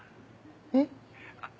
えっ？